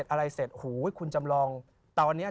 พระพุทธพิบูรณ์ท่านาภิรม